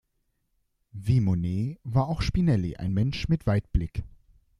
Wie Monnet war auch Spinelli ein Mensch mit Weitblick.